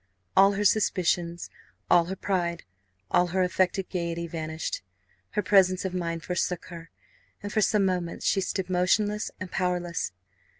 All her suspicions, all her pride, all her affected gaiety vanished; her presence of mind forsook her, and for some moments she stood motionless and powerless.